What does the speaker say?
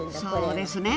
そうですね。